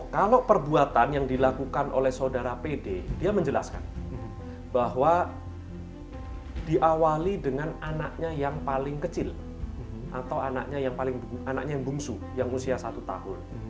kalau perbuatan yang dilakukan oleh saudara pd dia menjelaskan bahwa diawali dengan anaknya yang paling kecil atau anaknya yang paling anaknya yang bungsu yang usia satu tahun